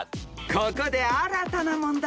［ここで新たな問題を追加］